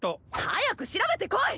早く調べてこい！